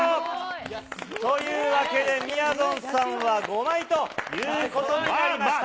というわけで、みやぞんさんは５枚ということになりました。